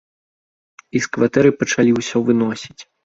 І з кватэры пачалі ўсё выносіць.